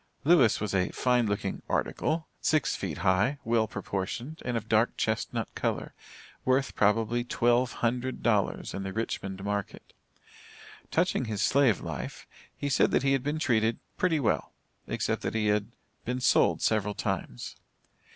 Lewis was a fine looking "article," six feet high, well proportioned, and of a dark chestnut color, worth probably $1200, in the Richmond market. Touching his slave life, he said that he had been treated "pretty well," except that he "had been sold several times."